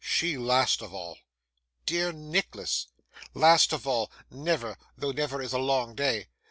She, last of all.' 'Dear Nicholas!' 'Last of all; never, though never is a long day.